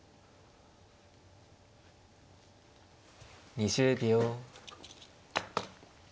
２０秒。